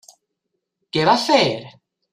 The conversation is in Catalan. Què va fer?